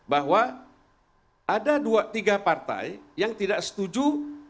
bahwa ada dua tiga partai yang tidak setuju